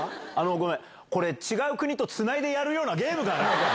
ごめん、これ違う国とつないでやるようなゲームかな？